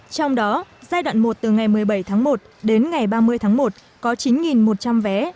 trong đó giai đoạn một từ ngày một mươi bảy tháng một đến ngày ba mươi tháng một có chín một trăm linh vé